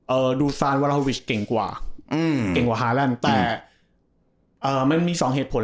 ดูซานวาราวิชเก่งกว่าอืมเก่งกว่าฮาแลนด์แต่เอ่อมันมีสองเหตุผล